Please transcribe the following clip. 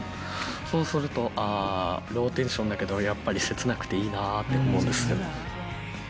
そうすると、ああ、ローテンションだけど、やっぱり切なくていいなぁって思うんです。